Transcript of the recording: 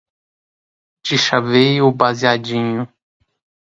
dichavei o baseadinho